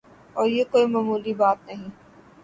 اور یہ کوئی معمولی بات نہیں۔